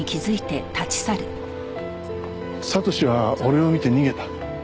悟史は俺を見て逃げた。